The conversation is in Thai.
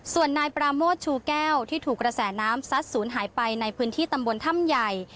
ส่วนนายปราโมทชูแก้วที่ถูกกระแสน้ำซัดศูนย์หายไปในพื้นที่ตำบลถ้ำใหญ่